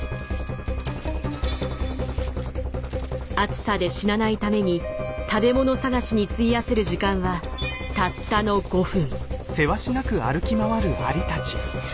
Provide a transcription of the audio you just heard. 暑さで死なないために食べ物探しに費やせる時間はたったの５分。